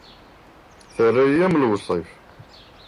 Terra-yi am lewsif.